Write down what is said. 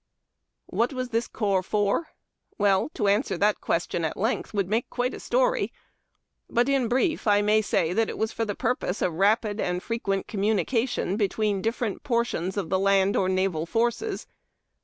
What was this corps for? Well, to answer that question at length would make quite a story, but, in brief, I may say that it was for the purpose of rapid and frequent com munication between different portions of the land or naval forces.